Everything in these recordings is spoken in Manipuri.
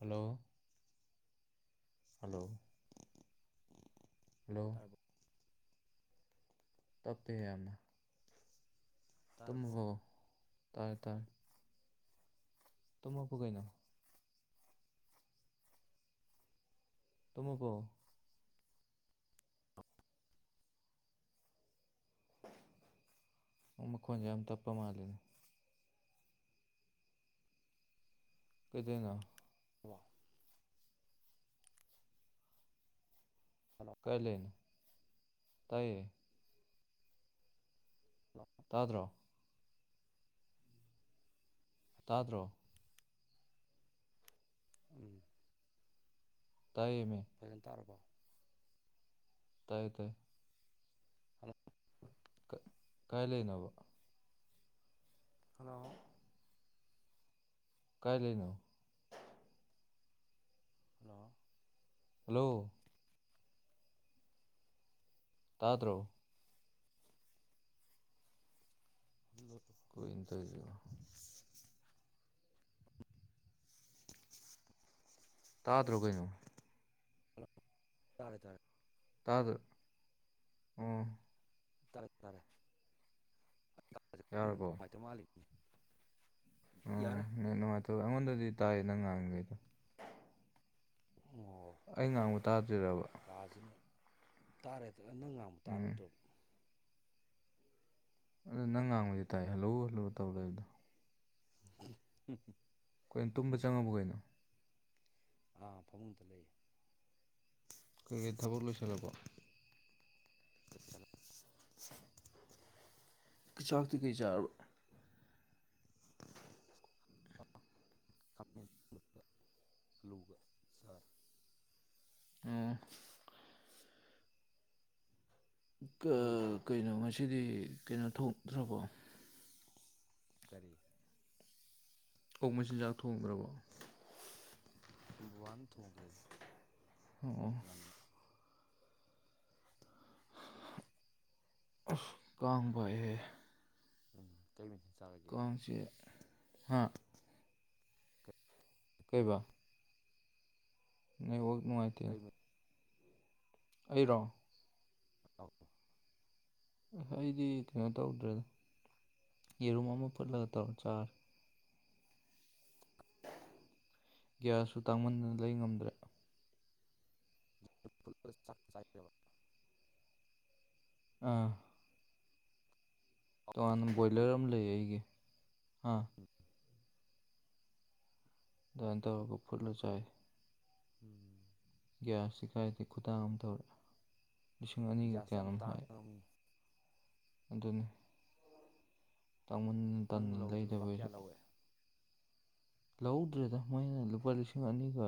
ꯍꯜꯂꯣ ꯍꯂꯣ ꯍꯂꯣ ꯇꯥꯔꯕꯣ ꯇꯞꯦ ꯌꯥꯝ ꯑꯃ ꯑꯗꯨꯝ ꯇꯥꯔꯕꯣ ꯍ ꯇꯥꯏꯦ ꯇꯥꯥꯏꯦ ꯇꯃ ꯄꯨ ꯀꯅꯣ ꯇꯨꯝꯃꯥꯕꯣ ꯅꯪ ꯃꯈꯣꯟꯁꯦ ꯌꯥꯝ ꯇꯞꯄ ꯃꯥꯜꯂꯤꯅꯦ ꯀꯩꯗꯩꯅꯣ ꯋꯥ ꯍꯜꯂꯣ ꯀꯥꯢꯂꯩꯅꯣ ꯇꯥꯏꯌꯦ ꯍ ꯇꯥꯗ꯭ꯔꯣ ꯇꯥ ꯗ꯭ꯔꯣ ꯎꯝ ꯇꯥꯏꯌꯦ ꯃꯤ ꯐꯖꯅ ꯇꯥꯔꯕꯣ ꯇꯥꯏꯌꯦ ꯇꯥꯏ ꯍꯜꯂꯣ ꯀꯥꯏ ꯂꯩꯅꯣꯕ ꯍꯜꯂꯣ ꯀꯥꯏ ꯂꯩꯅꯣ ꯍꯜꯂꯣ ꯍꯜꯂꯣ ꯇꯥ ꯗ꯭ꯔꯣ ꯍ ꯀꯩꯅꯣ ꯇꯧꯖꯤꯕꯣ ꯇꯥꯗ꯭ꯔꯣ ꯀꯩꯅꯣ ꯍꯜꯂꯣ ꯇꯥꯔꯦ ꯇꯥꯔꯦ ꯇꯥꯗꯔꫭ ꯎꯝ ꯇꯔꯦ ꯇꯔꯦ ꯅꯦꯠꯋꯥꯛ ꯌꯥꯔꯕꯣ ꯅꯨꯡꯉꯥꯏꯇꯥ ꯃꯥꯂꯤ ꯌꯥ ꯔꯦ ꯑꯗꯣ ꯑꯩꯉꯣꯟꯗꯗꯤ ꯇꯥꯏꯌꯦ ꯅꯪ ꯉꯥꯡꯢꯈꯩꯗꯣ꯫ ꯑꯣ ꯑꯩ ꯉꯥꯡꯕ ꯇꯥꯗ꯭ꯔꯤꯔꯕ ꯀꯥꯁꯤꯅ ꯇꯥꯔꯦ ꯅꯪ ꯉꯥꯡꯕ ꯎꯝ ꯇꯥꯔꯨꯗꯔꯣ ꯑꯗꯨꯗ ꯅꯪꯅ ꯉꯥꯡꯕꯗꯤ ꯇꯥꯏꯌꯦ ꯍꯜꯂꫭ ꯍꯜꯂꫭ ꯇꯧ ꯂꯩꯕꯗꯣ ꯎꯝ ꯀꯩꯅꯣ ꯇꯨꯝꯕ ꯆꯪꯉꯕꯣ ꯀꯩꯅꯣ ꯑꯥ ꯐꯃꯨꯡꯗ ꯂꯩ ꯀꯩꯀꯩ ꯊꯥꯕꯛ ꯂꯣꯏꯁꯜꯂꯕꯣ ꯂꯣꯢꯁꯜꯂꯦ ꯆꯥꯛꯇꯤ ꯀꯩ ꯆꯥꯔꯕ ꯈꯥꯃꯦꯟ ꯊꯣꯡꯕꯒ ꯑꯂꯨꯒ ꯁꯥꯛ ꯑꯣ ꯀꯥ ꯅꯣꯏꯗꯤ ꯀꯩꯅꯣ ꯉꯁꯤꯗꯤ ꯀꯩꯅꯣ ꯊꯣꯛꯇ꯭ꯔꯕꯣ ꯀꯔꯤ ꯑꯣꯛ ꯃꯆꯤꯟꯖꯥꯛ ꯊꯣꯡꯗ꯭ꯔꯕꯣ ꯕꯥꯕꯥꯅ ꯊꯣꯡꯒ꯭ꯔꯦꯗꯥ ꯑꯣ ꯑꯁ ꯀꯥꯡ ꯄꯥꯏꯍ° ꯎꯝ ꯀꯩ ꯃꯊ°ꯟ ꯆꯥꯔꯒꯦ ꯀꯥꯡ ꯆꯤꯛꯑꯦ ꯍꯥ ꯀꯩꯕꯥ ꯅꯦꯠꯋꯥꯛ ꯅꯨꯡꯉꯥꯏꯇ° ꯀꯩ ꯃ ꯑꯩꯔꯣ ꯑꯧ ꯑꯩꯗꯤ ꯀꯩꯅꯣ ꯇꯧꯗ꯭ꯔꯦꯗꯥ ꯌꯦꯔꯨꯝ ꯑꯃ ꯐꯨꯠꯂꯒꯥ ꯇꯧꯔꯒꯥ ꯆꯥꯔꯦ ꯒ꯭ꯌꯥꯁꯁꯨ ꯇꯥꯡꯃꯟꯗꯅ ꯂꯩꯕ ꯉꯝꯗ꯭ꯔꯦ꯫ ꯐ ꯆ ꯆ [unintelligible] ꯑꯥꯑ ꯇꯣꯉꯥꯟꯅꯥ ꯕꯣꯏꯂꯔꯥ ꯑꯃ ꯂꯩꯌꯦ ꯑꯩꯒꯤ ꯍꯥꯥꯍ ꯕꯋ°ꯟ ꯇꯧꯔꯒ ꯐꯨꯠ ꯔꯥꯒ ꯆꯥꯥꯏ ꯎꯝꯝ ꯒ꯭ꯌꯥꯁꯇꯤ ꯀꯥꯏꯗꯦ ꯈꯨꯇꯥꯡ ꯑꯃ ꯇꯧꯔꯦ ꯂꯤꯁꯤꯡ ꯑꯅꯤꯒ ꯒ꯭ꯌꯥꯁꯇ ꯌꯥꯝ ꯀꯌꯥꯅꫭꯝ ꯍꯥꯏ ꯇꯥꯡꯉꯃꯤꯅꯤ ꯑꯗꯨꯅꯤ꯫ ꯇꯥꯡꯃꯟꯗꯅꯥ ꯅꯪꯅ ꯇꯗꯅ ꯂꯧꯕꯗ ꯂꯩꯗꯕꯥ ꯂꯨꯄꯥ ꯑꯩꯁꯨ ꯀꯌꯥ ꯂꯧꯋꯦ ꯂꯧꯍꯧꯗꯔꯦꯗ ꯃꯣꯏꯅ ꯂꯨꯄꯥ ꯂꯤꯁꯤꯡ ꯑꯅꯤꯒꯥ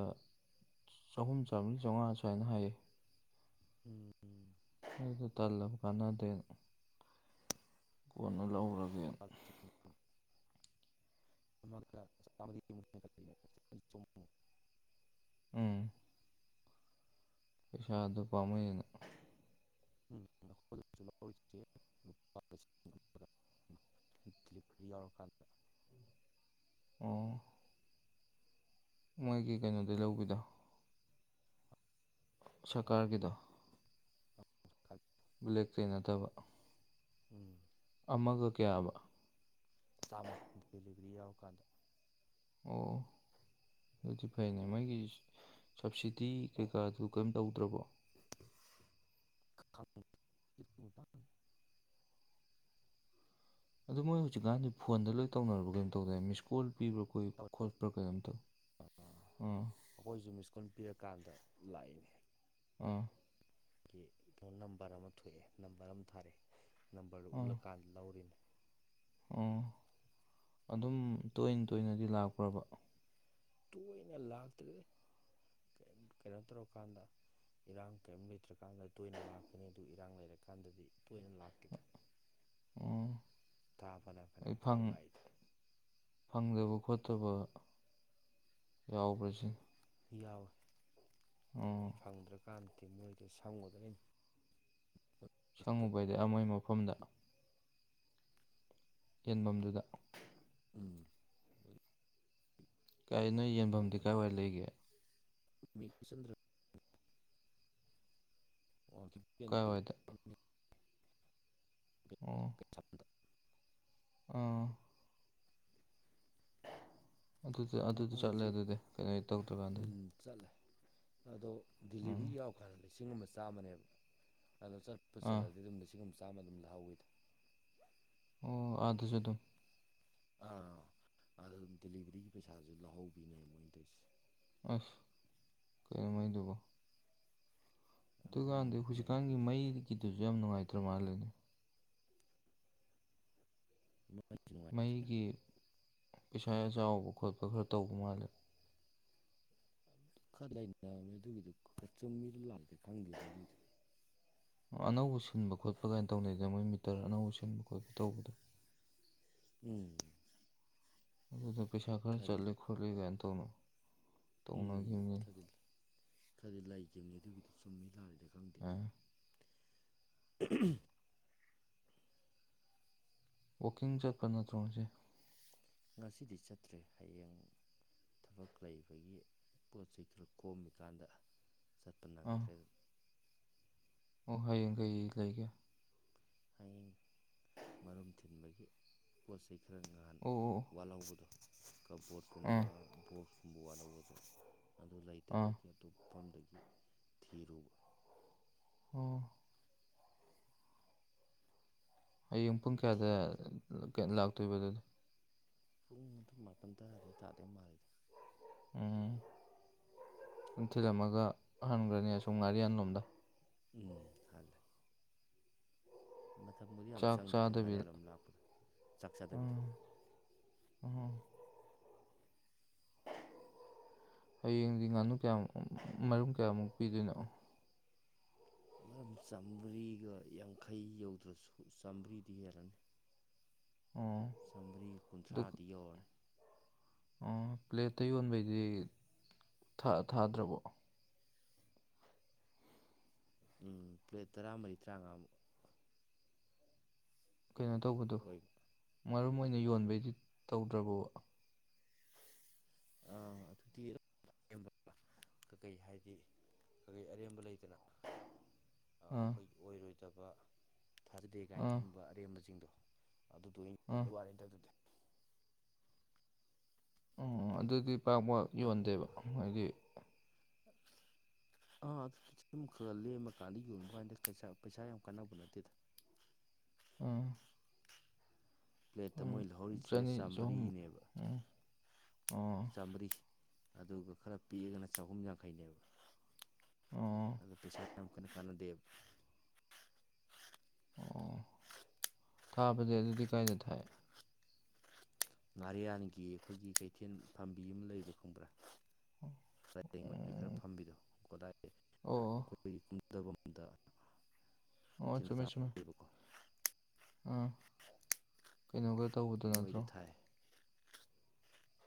ꯆꯍꯨꯝ ꯆꯥꯝꯔꯤ ꯆꯥꯎꯉꯥ ꯑꯁꯨꯝꯃꯥꯅ ꯍꯥꯏꯌꯦ ꯎꯝꯝ ꯎꯝꯝ ꯑꯩꯁꯨ ꯇꯜꯂꯕꯥ ꯀꯥꯟꯅꯗꯦ ꯀꯣꯟꯅ ꯂꯧꯔꯒꯦꯅꯥ ꯂꯨꯄꯥ ꯂꯤꯁꯤꯡ [inaudible] ꯎꯝꯝ ꯄꯩꯁꯥꯗꯨ ꯄꯥꯝꯃꯨꯏꯅꯥ ꯎꯝ [unintelligible] [inaudible] ꯌꯥꯎꯔ ꯀꯥꯟ ꯑꯣ ꯃꯣꯏꯒꯤ ꯀꯩꯅꯣꯗꯩ ꯂꯧꯕꯤꯗꯣ ꯁꯔꯀꯥꯔꯒꯤꯗ ꯕꯨꯂꯦꯛ ꯀꯟꯅꯗꯕ ꯎꯝ ꯑꯃꯒ ꯀꯌꯥꯕ ꯆꯥꯝꯃ ꯗꯦꯂꯤꯕꯔꯤ ꯌꯥꯎꯔꯀꯥꯟꯗ ꯑꯣ ꯑꯗꯨꯗꯤ ꯐꯩꯅꯦ ꯃꯣꯏꯒꯤ ꯁꯞꯕꯁꯤꯗꯤ ꯀꯩꯀꯥꯗꯨ ꯀꯔꯤꯝ ꯇꯧꯗ꯭ꯔꯕꯣ [inaudible] ꯑꯗꯣ ꯃꯣꯏ ꯍꯧꯖꯤꯛꯀꯥꯟꯗꯤ ꯐꯣꯟꯗ ꯂꯣꯏ ꯇꯧꯅꯅꯕꯔꯕꯥ ꯀꯩꯝꯅꫭꯝ ꯇꯧꯗꯥꯏꯅ° ꯃꯤꯀꫭꯟ ꯄꯤꯕ꯭ꯔꯥ ꯑꯩꯈꫭꯏꯒꯤ ꯀꯣꯠꯄꯔ ꯀꯤꯅꫭꯝ ꯇꯧꯗꯥꯏ ꯑꯩꯈꯣꯏꯁꯨ ꯃꯤꯁꯀꫭꯟ ꯄꯤꯔꯀꯥꯟꯗ ꯂꯥꯛꯏꯅꯤ ꯑꯥꯑ ꯀ ꯀꯩꯅꫭ ꯅꯝꯕꯔ ꯑꯃ ꯊꯣꯛꯑꯦ ꯅꯝꯕꯔ ꯑꯃ ꯊꯥꯔꯛꯑꯦ ꯅꯝꯕꯔꯗꯨ ꯎꯠꯂꯀꯥꯟꯗ ꯂꯧꯔꯤꯅꯤ꯫ ꯑꯣꯑ ꯑꯗꯨꯝ ꯇꯣꯏꯅ ꯇꯣꯏꯅꯗꯤ ꯂꯥꯛꯄ꯭ꯔꯕꯥ꯫ ꯇꯣꯏꯅ ꯂꯥꯛꯇ꯭ꯔꯦꯗꯥ ꯀꯩꯅꯣ ꯇꯧꯔꯀꯥꯟꯗꯥ꯫ ꯏꯔꯥꯡ ꯀꯔꯤꯝ ꯂꯩꯇ꯭ꯔꯀꯥꯟꯗ ꯇꯣꯏꯅ ꯂꯥꯛꯀꯅꯤ ꯑꯗꯨ ꯏꯔꯥꯡ ꯂꯩꯔꯀꯥꯟꯗꯗꯤ ꯇꯣꯏꯅ ꯂꯥꯛꯇ꯭ꯔꯦꯗꯥ ꯑꯣ ꯊꯥ ꯐꯅꯥꯌꯥꯝ ꯑꯩ ꯀꯥꯜꯔꯥꯒ ꯐꯪ ꯔꯥꯛꯏꯗ ꯐꯪꯗꯕ ꯈꯣꯠꯇꯕ ꯌꯥꯎꯕ꯭ꯔꯁ ꯌꯥꯎꯏꯦ ꯑꯩ ꯑꯣ ꯐꯪꯗ꯭ꯔꯀꯥꯟꯗꯗꯤ ꯃꯣꯏꯗ ꯁꯪꯉꯨꯗꯣꯏ ꯁꯪꯉꯨꯕꯗꯤ ꯑꯃꯣꯏ ꯃꯐꯝꯗ ꯌꯦꯟꯐꯝꯗꯨꯗ ꯎꯝ ꯀꯥꯏ ꯅꯣꯏ ꯌꯦꯟꯐꯝꯗꯤ ꯀꯥꯏꯋꯥꯏ ꯂꯩꯒꯦ ꯆꯟ꯭ꯔ [unintelligible] ꯑꯣ ꯀꯥꯏꯋꯥꯏꯗ ꯑꯣ ꯗ ꯑꯥ ꯑꯗꯨꯗ ꯑꯗꯨꯗ ꯆꯠꯂꯦ ꯃꯣꯏꯁꯨ ꯑꯗꯨꯗꯤ ꯀꯩꯅꯣ ꯇꯧꯗ꯭ꯔꯀꯥꯟꯗꯗꯤ ꯎꯝ ꯆꯠꯂꯦ ꯑꯗꯣ ꯎꯝ ꯗꯤꯂꯤꯚꯔꯤ ꯌꯥꯎ ꯀꯥꯟꯗ ꯂꯤꯁꯤꯡ ꯑꯃ ꯆꯥꯝꯃꯅꯦꯕ ꯑꯗꯣ ꯆꯠꯄ ꯑꯥ ꯄꯨꯠꯆꯜꯂꯗꯤ ꯑꯗꯨꯝ ꯂꯤꯁꯤꯡꯒꯨꯝ ꯆꯥꯝꯃ ꯑꯗꯨꯝ ꯂꯧꯍꯧꯏꯗ ꯑꯣ ꯑꯗꯨꯁꯨ ꯑꯗꯨꯝ ꯑꯥ ꯑꯗꯨꯝ ꯗꯗꯤꯂꯤꯚꯔꯤꯒꯤ ꯄꯩꯁꯥꯥꯁꯦ ꯂꯧꯍꯧꯕꯤꯅꯦ ꯃꯣꯏꯅ ꯇꯧꯔꯤꯁꯦ ꯑꯁ ꯀꯩꯝꯃꯗꯨꯕꯣ ꯑꯗꯨꯀꯥꯟꯗꯤ ꯑꯗꯨꯅꯤꯅꯦ ꯍꯧꯖꯤꯛꯀꯥꯟꯒꯤ ꯃꯅꯤꯄꯨꯔꯁꯦ ꯃꯩꯒꯤꯗꯨꯁꯨ ꯌꯥꯝ ꯅꯨꯡꯉꯥꯏꯇ꯭ꯔ ꯃꯥꯜꯂ‌ꯦꯅꯦ ꯃꯣꯏ ꯃꯩꯒꯤ ꯄꯩꯁꯥ ꯆꯥꯎꯕ ꯈꯣꯠꯄ ꯈꯔ ꯇꯧꯕ ꯃꯥꯜꯂꯦ ꯈꯔ ꯂꯩꯅꯦ ꯑꯗꯨꯒꯤꯗꫭ ꯈꯔ ꯆꯨꯝ ꯃꯤꯔ ꯂꯥꯜꯂꯤꯔ ꯈꯪꯗꯦꯕ ꯃꯗꯨꯒꯤꯗꫭ ꯑꯅꯧꯕ ꯁꯤꯟꯕ ꯈꯣꯠꯄ ꯀꯥꯏꯅ ꯇꯧꯅꯩꯗꯅ ꯃꯣꯏ ꯃꯤꯇꯔ ꯑꯅꯧꯕ ꯁꯤꯟꯕ ꯈꯣꯠꯄ ꯇꯧꯕꯗꯣ ꯎꯝ ꯑꯗꯨꯗ ꯄꯩꯁꯥ ꯈꯔ ꯈꯔꯗꯤ ꯆꯠꯂꯤ ꯈꯣꯠꯂꯤ ꯀꯥꯏꯅ ꯇꯧꯅꯨ ꯎꯝ ꯈꯗꯤ ꯈꯗꯤ ꯂꯩꯈꯤꯕꯅꯤ ꯑꯗꯨꯒꯤꯗꯨ ꯆꯨꯝꯃꯤ ꯂꯥꯔꯤꯗ ꯈꯪꯗ‌ ꯑꯥ ꯎꯍꯝ ꯋꯥꯛꯀꯤꯡ ꯆꯠꯄ ꯅꯠꯇ꯭ꯔꯣ ꯉꯁꯤ ꯉꯁꯤꯗꯤ ꯆꯠꯇ꯭ꯔꯦ ꯍꯌꯦꯡ ꯊꯕꯛ ꯂꯩꯕꯒꯤ ꯄꯣꯠ ꯆꯩ ꯈꯔ ꯀꯣꯝꯃꯤꯀꯥꯟꯗ ꯆꯠꯄ ꯑꯥ ꯅꯪꯗ꯭ꯔꯦ ꯑꯗꯨꯝ ꯑꯣ ꯍꯌꯦꯡ ꯀꯩ ꯂꯩꯒꯦ ꯍꯌꯦꯡ ꯃꯔꯨꯝ ꯊꯤꯟꯕꯒꯤ ꯄꯣꯠ ꯆꯩ ꯈꯔ ꯉꯍꯥꯟ ꯑꯣ ꯑꯣ ꯋꯥꯠꯍꯧꯕꯗꯣ ꯑꯥ ꯀꯕꯣꯔꯠꯀꯨꯝꯕ ꯕꯣꯛꯁ ꯁꯨꯝꯕ ꯋꯥꯠꯍꯧꯕꯗꯣ ꯑꯗꯨ ꯑꯥ ꯂꯩꯇꯕꯒꯤ ꯑꯇꯣꯞꯐꯝꯗꯒꯤ ꯊꯤꯔꯨꯕ ꯎꯝ ꯍꯌꯦꯡ ꯄꯨꯡ ꯑꯗꯨ ꯀꯌꯥꯗ ꯊꯤꯕꯗ ꯂꯥꯛꯇꯣꯏꯕ ꯑꯗꯨꯗꯤ ꯄꯨꯡ ꯑꯃ ꯃꯥꯄꯟ ꯇꯥꯔꯩ ꯇꯥꯔꯩ ꯃꯥꯜꯂꯤꯗ ꯎꯝ ꯊꯤꯜꯂꯝꯃꯒ ꯍꯟꯈ꯭ꯔꯅꯤ ꯑꯁꯨꯝ ꯉꯥꯔꯤ ꯑꯟꯂꯣꯝꯗ ꯎꯝ ꯍ ꯃꯇꯝꯊꯕꯨꯗꯤ ꯌꯥꯝ ꯆꯥꯛ ꯆꯪꯗꯦꯗ ꯆꯥꯗꯕꯤ ꯉꯥꯔꯌꯥꯣꯝ ꯂꯥꯛꯄꯗꯣ ꯆꯥꯛ ꯆꯗꯕꯤꯗ ꯎꯝ ꯎꯝ ꯍꯌꯦꯡꯗꯤ ꯉꯥꯅꯨ ꯀꯌꯥꯃꯨ ꯃꯔꯨꯝ ꯀꯌꯥꯃꯨꯛ ꯄꯤꯗꯣꯏꯅꯣ ꯃꯔꯝ ꯆꯥꯃꯔꯤꯒ ꯌꯥꯡꯈꯩ ꯌꯧꯗ꯭ꯔꯁꯨ ꯆꯥꯝꯃꯔꯤꯗꯤ ꯍꯦꯜꯂꯅꯤ ꯑꯣ ꯆꯃꯔꯤ ꯀꯨꯟꯊ꯭ꯔꯥꯗꯤ ꯌꯧꯔꯅꯤ ꯎꯝ ꯄ꯭ꯂꯦꯠꯇ ꯌꯣꯟꯕꯩꯗꯤ ꯊꯥꯗ꯭ꯔꯕꯣ ꯎꯝ ꯄ꯭ꯂꯦꯠ ꯇꯔꯥꯃꯔꯤ ꯇꯔꯥꯃꯉꯥꯃꯨꯛ ꯀꯩꯅꯣ ꯇꯧꯕꯗꯣ ꯑꯣꯏꯕ ꯃꯔꯝ ꯑꯣꯏꯅ ꯌꯣꯟꯕꯩꯗꯤ ꯇꯧꯗ꯭ꯔꯕꯣꯕ ꯑꯗꯨꯗꯤ ꯀꯀꯩ ꯍꯥꯏꯗꯤ ꯀꯀꯩ ꯑꯔꯦꯝꯕ ꯂꯩꯗꯅ ꯑꯥ ꯑꯩꯈꯣꯏ ꯑꯣꯏꯔꯣꯏꯗꯕ ꯊꯥꯖꯗꯦ ꯀꯥꯏꯅ ꯑꯥ ꯈꯟꯕ ꯑꯔꯦꯝꯕꯁꯤꯡꯗꯣ ꯑꯗꯨꯗꯣ ꯑꯥ ꯋꯥꯔꯦ ꯑꯗꯨꯗꯤ ꯑꯣ ꯑꯗꯨꯗꯤ ꯄꯥꯛꯄ ꯌꯣꯟꯗꯦꯕ ꯑꯩꯗꯤ ꯑꯥ ꯑꯗꯨ ꯁꯨꯝ ꯈꯔ ꯂꯦꯝꯃꯀꯥꯟꯗ ꯌꯣꯟꯕ ꯀꯥꯟꯗꯩ ꯄꯩꯁꯥ ꯌꯥꯝ ꯀꯥꯟꯅꯕ ꯅꯠꯇꯦꯗ ꯑꯥ ꯄ꯭ꯂꯦꯠꯇ ꯎꯝ ꯃꯣꯏꯍꯧꯔꯤꯁꯦ ꯆꯅꯤ ꯆꯍꯨꯝ ꯆꯥꯃꯔꯤꯅꯦꯕ ꯎꯝ ꯑꯣ ꯆꯥꯃꯔꯤ ꯑꯗꯨꯒ ꯈꯔ ꯄꯤꯔꯒꯅ ꯆꯍꯨꯝ ꯌꯥꯡꯈꯩꯅꯦꯕ ꯑꯣ ꯑꯗꯣ ꯄꯩꯁꯥ ꯌꯥꯝ ꯀꯟꯅ ꯀꯥꯟꯅꯗꯦꯕ ꯑꯣ ꯊꯥꯕꯗꯤ ꯑꯗꯨꯗꯤ ꯀꯥꯏꯗ ꯊꯥꯏ ꯉꯥꯔꯤꯌꯥꯟꯒꯤ ꯑꯩꯈꯣꯏꯒꯤ ꯀꯩꯊꯦꯜ ꯄꯥꯝꯕꯤ ꯑꯃ ꯂꯩꯕ ꯈꯪꯕ꯭ꯔꯥ ꯁꯔꯦꯡ ꯑꯣꯏꯅ ꯈꯔ ꯑꯣ ꯐꯝꯕꯤꯗꯣꯗꯥꯏ ꯑꯣ ꯑꯩꯈꯣꯏꯒꯤ ꯀꯨꯝꯊꯐꯝꯗ ꯑꯣ ꯏꯆꯦꯜ ꯃꯆꯥ ꯆꯨꯝꯃꯦ ꯆꯨꯝꯃꯦ ꯑꯃ ꯂꯩꯕꯀꯣ ꯑꯥ ꯀꯩꯅꯣꯒ ꯇꯧꯕꯗꯨꯣ ꯅꯠꯇ꯭ꯔꯣ ꯃꯣꯏꯗ ꯊꯥꯏ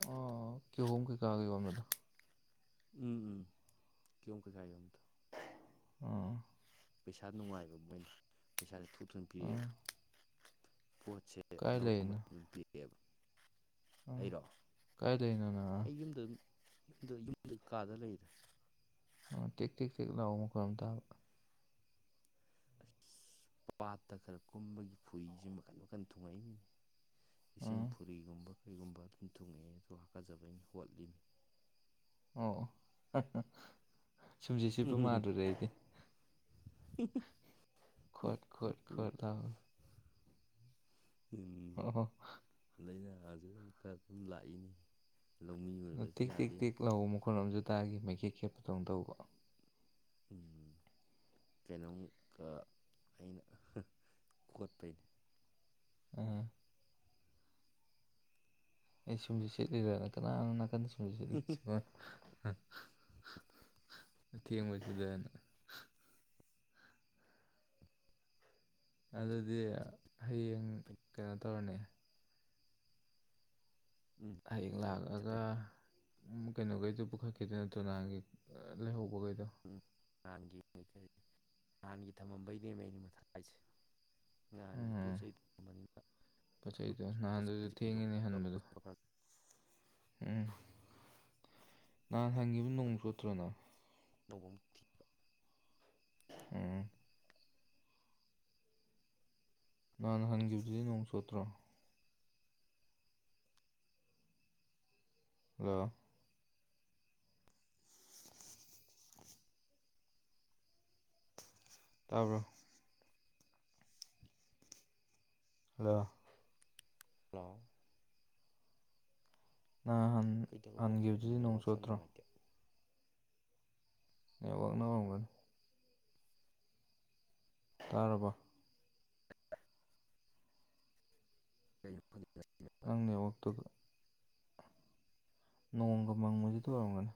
ꯑꯣ ꯀꯍꯣꯝ ꯀꯩ ꯀꯥꯒ ꯋꯥꯗ ꯎꯝ ꯎꯝ ꯀꯤꯍꯣꯝ ꯀꯩꯀꯥ ꯌꯣꯟꯕꯗꯣ ꯑꯣ ꯄꯩꯁꯥ ꯅꯨꯡꯉꯥꯏꯕ ꯃꯣꯏꯅ ꯄꯩꯁꯥꯁꯦ ꯊꯨ ꯊꯨꯅ ꯑꯥ ꯄꯤꯔꯛꯑꯦꯕ ꯄꯣꯠꯁꯦ ꯗꯦ ꯀꯥꯏ ꯂꯩꯔꯤꯅꯣ [unintelligible] ꯑꯥ ꯑꯩꯔꯣ ꯀꯥꯏ ꯂꯩꯔꯤꯅꯣ ꯅꯪ ꯑꯥ ꯑꯩ ꯌꯨꯝꯗ ꯌꯨꯝꯗ ꯌꯨꯝꯗ ꯀꯥꯗ ꯂꯩꯗ ꯇꯦꯛ ꯇꯦꯛ ꯇꯦꯛ ꯂꯥꯎꯑꯣ ꯃꯈꯣꯟ ꯑꯃ ꯇꯥꯕ ꯑꯁ ꯄꯥꯠꯇ ꯈꯔ ꯀꯨꯝꯕꯒꯤ ꯐꯨꯔꯤꯁꯦ ꯃꯈꯟ ꯃꯈꯟ ꯊꯨꯡꯉꯛꯏꯃꯤꯅꯦ ꯏꯁꯤꯡ ꯑꯥ ꯐꯨꯔꯤꯒꯨꯝꯕ ꯀꯩꯒꯨꯝꯕ ꯑꯗꯨꯝ ꯊꯨꯡꯉꯛꯑꯦ ꯑꯗꯣ ꯍꯥꯀꯠꯆꯕ ꯑꯩꯅ ꯍꯣꯠꯂꯤꯅꯤ ꯑꯣ ꯁꯨꯝꯁꯤꯠ ꯁꯤꯠꯄ ꯃꯥꯥꯟꯂꯨꯔꯦ ꯑꯩꯗꯤ ꯈꯣꯠ ꯈꯣꯠ ꯈꯣꯠ ꯂꯥꯎꯕꯗꯣ ꯎ ꯎ ꯑꯣ ꯂꯥꯏꯅꯥꯁꯨ ꯑꯗꯨꯝ ꯈꯔ ꯑꯗꯨꯝ ꯂꯥꯛꯏꯅꯤ ꯂꯧꯃꯤ ꯑꯣꯏꯕꯁꯤ ꯇꯦꯛ ꯇꯦꯛ ꯌꯥꯗꯦ ꯇꯦꯛ ꯂꯧꯕ ꯃꯈꯣꯟ ꯑꯃꯁꯨ ꯇꯥꯈꯤ ꯃꯩꯀꯦꯠ ꯈꯦꯠꯄꯇꯧꯅ ꯇꯧꯕ ꯎ ꯀꯩꯅꯣꯃꯨꯛꯀ ꯑꯩꯅ ꯈꯣꯠꯄꯩꯅꯦ ꯎꯝ ꯑꯩ ꯁꯨꯝꯖꯤꯠ ꯁꯦꯠꯂꯤꯔ ꯀꯅꯥꯅꯣ ꯅꯥꯀꯟꯗ ꯁꯨꯝꯖꯤꯠ ꯁꯦꯠꯂꯤꯁꯤꯕꯣ ꯑꯊꯦꯡꯕꯁꯤꯗꯅ ꯑꯗꯨꯗꯤ ꯍꯌꯦꯡ ꯀꯩꯅꯣ ꯇꯧꯔꯅꯤ ꯎꯝ ꯍꯌꯦꯡ ꯑꯩ ꯂꯥꯛꯑꯒ ꯆꯠꯇꯣꯏꯅꯦ ꯀꯩꯅꯣꯈꯩꯗꯣ ꯄꯨꯈꯠꯈꯤꯗꯨꯏ ꯅꯠꯇ꯭ꯔꯣ ꯅꯍꯥꯟꯒꯤ ꯂꯩꯍꯧꯕꯈꯩꯗꯣ ꯎꯝ ꯅꯍꯥꯟꯒꯤ ꯅꯍꯥꯟꯒꯤ ꯊꯝꯃꯝꯕꯩꯅꯦꯕ ꯑꯩꯅ ꯃꯊ ꯍꯥꯏꯁꯦ ꯅꯍꯥꯟꯒꯤ ꯄꯣꯠ ꯆꯩꯩ ꯊꯝꯕꯅꯤꯅ ꯄꯣꯠꯆꯩꯗꯣ ꯄꯣꯠ ꯅꯍꯥꯟꯗꯨꯁꯨ ꯆꯩꯁꯤꯡꯗꯣ ꯊꯦꯡꯉꯤꯅꯦ ꯍꯟꯕꯗꯣ ꯂꯧꯕ ꯎꯝ ꯅꯍꯥꯟ ꯍꯟꯈꯤꯕ ꯅꯣꯡ ꯆꯣꯠꯇ꯭ꯔꯣꯅ ꯅꯣꯡ ꯊꯤ ꯎꯝ ꯅꯍꯥꯟ ꯍꯟꯈꯤꯕꯗꯨꯗꯤ ꯅꯣꯡ ꯆꯣꯠꯇ꯭ꯔꯣ ꯍꯜꯂꯣ ꯇꯥꯔꯕꯔꯣ ꯍꯜꯂꯣ ꯍꯜꯂꯣ ꯅꯍꯥꯟ ꯀꯩꯗꯧꯔꯕꯅꯣ ꯈꯪꯗꯦ ꯍꯟꯈꯤꯕꯗꯨꯗꯤ ꯅꯣꯡ ꯅꯦꯠꯋꯥꯛꯁꯦ ꯌꯥꯝ ꯆꯣꯠꯇ꯭ꯔꯣ ꯅꯨꯡꯉꯥꯏꯇꯦ [unintelligible] ꯇꯥꯔꯕꯣ [unintelligible] ꯅꯪ ꯅꯦꯠꯋꯥꯛꯇꯨꯗꯤ ꯅꯣꯡꯒ ꯃꯪꯕꯗꯨꯗ ꯑꯣꯏꯔꯝꯒꯅꯤ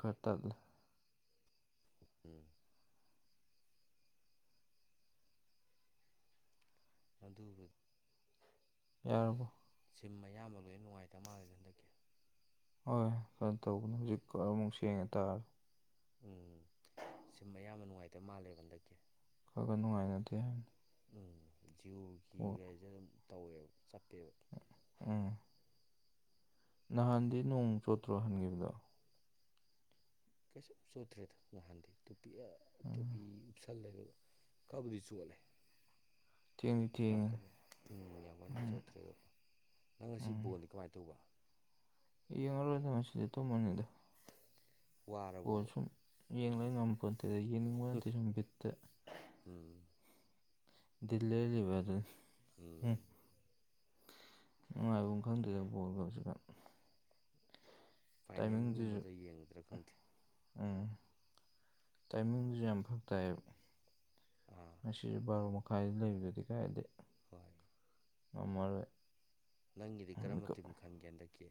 ꯈꯇꯥ ꯎꯝ ꯑꯗꯨꯕꯨꯗꯤ ꯌꯥꯔꯕꯣ ꯁꯤꯝ ꯑꯌꯥꯝꯕ ꯂꯣꯏꯅ ꯅꯨꯡꯉꯥꯏꯇꯕ ꯃꯥꯜꯂꯒꯗꯤ ꯍꯟꯗꯛꯀꯤ ꯍꯣꯏ ꯀꯩꯅꯣ ꯇꯧꯕꯅꯦ ꯍꯧꯖꯤꯛꯀ ꯑꯃꯨꯛ ꯁꯦꯡꯉ ꯇꯥꯔꯦ ꯎꯝ ꯁꯤꯝ ꯑꯌꯥꯝꯕ ꯅꯨꯡꯉꯥꯏꯇꯕ ꯃꯥꯜꯂꯦꯕ ꯍꯟꯗꯛꯀꯤ ꯈꯔ ꯈꯔ ꯅꯨꯡꯉꯥꯏꯅꯗꯦ ꯍꯥꯏ ꯎꯝ ꯖꯤꯌꯣꯒꯤꯒꯁꯦ ꯑꯗꯨꯝ ꯇꯧꯋꯦꯕ ꯆꯠꯄꯦꯕ ꯎꯝ ꯅꯍꯥꯟꯗꯤ ꯅꯣꯡ ꯆꯣꯠꯇ꯭ꯔꯣ ꯍꯟꯈꯤꯕꯗꯣ ꯀꯩꯁꯨ ꯆꯣꯠꯇ꯭ꯔꯦꯗ ꯅꯍꯥꯟꯗꯤ ꯇꯣꯄꯤ ꯇꯣꯄꯤ ꯎꯞꯁꯜꯂꯦ ꯑꯗꯨꯒ ꯀꯕꯨꯗꯤ ꯆꯣꯜꯂꯦ ꯊꯦꯡꯗꯤ ꯌꯥꯝ ꯊꯦꯡꯉꯦ ꯀꯟꯅ ꯎꯝ ꯌꯥꯝ ꯀꯟꯅꯗꯤ ꯆꯣꯠꯇ꯭ꯔꯦ ꯑꯗꯣ ꯅꯪ ꯉꯁꯤ ꯕꯣꯟꯅꯤ ꯀꯃꯥꯏꯅ ꯇꯧꯕ ꯌꯦ [unintelligible] ꯇꯅꯤꯗ ꯋꯥꯔꯕꯣ ꯑꯣ ꯁꯨꯝ ꯌꯦꯡꯒ ꯉꯝꯕꯄꯣ ꯅꯠꯇꯦ ꯑꯗ ꯌꯦꯡꯅꯤꯡꯕ ꯅꯠꯇꯦ ꯁꯨꯝ ꯕꯤꯠꯇ ꯎꯝ ꯗꯜꯂꯤ ꯂꯤꯚꯔꯦꯜ ꯎꯝ ꯅꯨꯡꯉꯥꯏꯕ ꯑꯃ ꯈꯪꯗꯦꯗꯕ ꯕꯣꯒ ꯍꯧꯖꯤꯛꯀꯥꯟ ꯇꯥꯏꯃꯤꯡꯗꯨꯁꯨ ꯐꯥꯏꯅꯦꯜꯒꯨꯝꯕꯗ ꯌꯦꯡꯗ꯭ꯔꯥ ꯈꯪꯗꯦ ꯎꯝ ꯇꯥꯏꯃꯤꯡꯁꯨ ꯌꯥꯝ ꯐꯛ ꯇꯥꯏꯕ ꯑꯥ ꯁꯤꯁꯦ ꯕꯥꯔꯣ ꯃꯈꯥꯏꯗ ꯂꯩꯕꯗꯨꯗꯤ ꯀꯥꯏꯗꯦ ꯍꯣꯏ ꯃꯔ ꯅꯪꯒꯤꯗꯤ ꯀꯔ ꯃꯇꯤꯝ ꯈꯟꯒꯦ ꯍꯟꯗꯛꯀꯤ